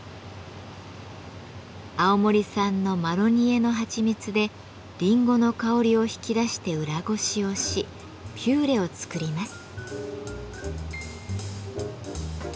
青森産のマロニエのはちみつでりんごの香りを引き出して裏ごしをしピューレを作ります。